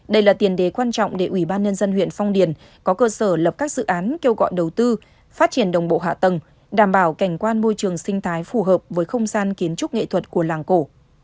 đây là tiền đề quan trọng để ủy ban nhân dân huyện phong điền có cơ sở lập các dự án kêu gọi đầu tư phát triển đồng bộ hạ tầng đảm bảo cảnh quan môi trường sinh thái phù hợp với không gian kiến trúc nghệ thuật của làng cổ